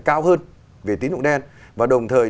cao hơn về tín dụng đen và đồng thời